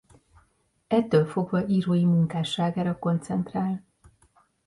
Ettől fogva írói munkásságára koncentrál.